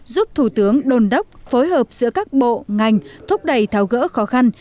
giúp thủ tướng đồn đốc phối hợp giữa các bộ ngành thúc đẩy tháo gỡ khó khăn